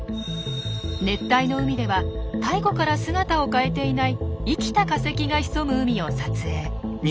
熱帯の海では太古から姿を変えていない「生きた化石」が潜む海を撮影。